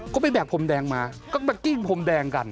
ก็ไปแบกพรมแดงมาก็มากิ้งพรมแดงกัน